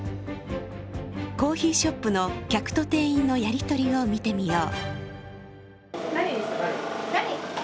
コーヒーショップの客と店員のやりとりを見てみよう。